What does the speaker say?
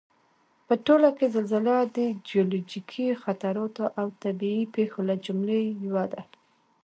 په ټوله کې زلزله د جیولوجیکي خطراتو او طبعي پېښو له جملې یوه ده